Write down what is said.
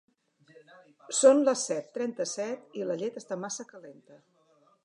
Són les set trenta-set i la llet està massa calenta.